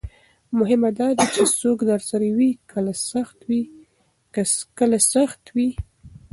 مهمه دا ده چې څوک درسره وي کله سخت وخت وي.